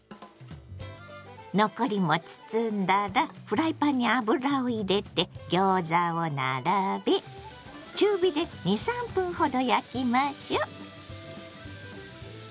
残りも包んだらフライパンに油を入れてギョーザを並べ中火で２３分ほど焼きましょ。